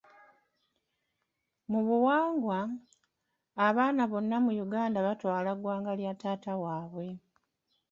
Mu buwangwa, abaana bonna mu Uganda batwala ggwanga lya taata waabwe.